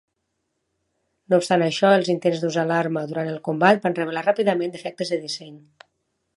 No obstant això, els intents d'usar l'arma durant el combat van revelar ràpidament defectes de disseny.